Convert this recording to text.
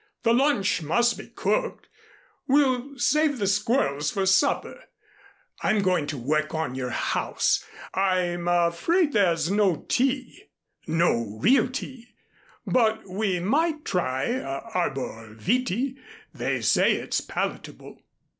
"The lunch must be cooked. We'll save the squirrels for supper. I'm going to work on your house. I'm afraid there's no tea no real tea, but we might try arbor vitæ. They say its palatable."